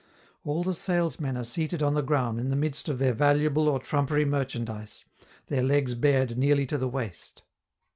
All the salesmen are seated on the ground in the midst of their valuable or trumpery merchandise, their legs bared nearly to the waist.